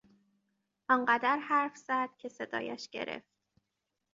آنقدر حرف زد که صدایش گرفت.